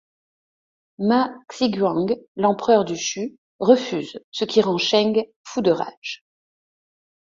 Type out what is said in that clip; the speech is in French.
Ma Xiguang, l'empereur du Chu, refuse, ce qui rend Sheng fou de rage.